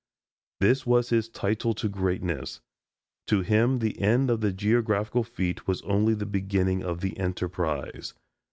This was his title to greatness; to him "the end of the geographical feat was only the beginning of the enterprise."